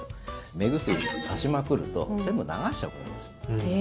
目薬、差しまくると全部流しちゃうことになるんです。